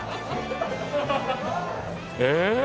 ええ！？